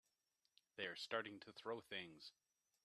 They're starting to throw things!